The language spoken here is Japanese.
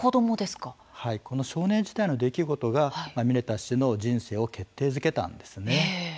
この少年時代の出来事がミネタ氏の人生を決定づけたんですね。